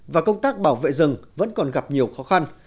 và công tác bảo vệ rừng vẫn còn gặp nhiều khó khăn